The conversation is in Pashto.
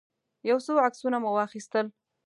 يو څو عکسونه مو واخيستل.